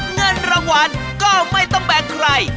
เงินรางวัลก็ไม่ต้องแบกใคร